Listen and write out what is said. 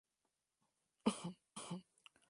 Este ecosistema acuático es tan delicado como rico.